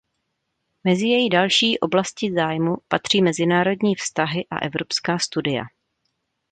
Mezi její další oblasti zájmu patří mezinárodní vztahy a evropská studia.